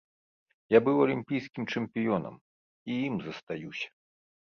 Я быў алімпійскім чэмпіёнам і ім застаюся.